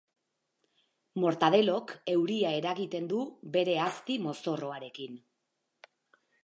Mortadelok euria eragiten du bere azti mozorroarekin.